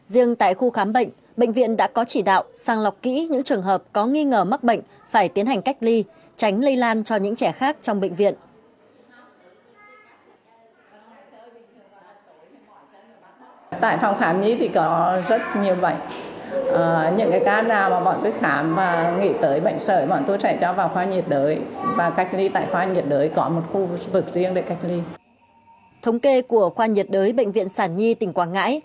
riêng tại khu khám bệnh bệnh viện đã có chỉ đạo sang lọc kỹ những trường hợp có nghi ngờ mắc bệnh phải tiến hành cách ly tránh lây lan cho những trẻ khác trong bệnh viện